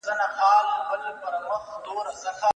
راسه چي له ځان سره ملنګ دي کم